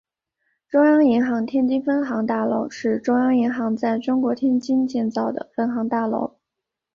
中央银行天津分行大楼是中央银行在中国天津建造的分行大楼。